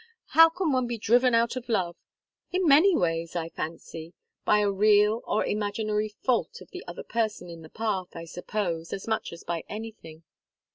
"How can one be driven out of love? In many ways, I fancy. By a real or imaginary fault of the other person in the path, I suppose, as much as by anything.